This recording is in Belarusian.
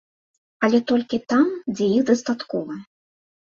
Але толькі там, дзе іх дастаткова.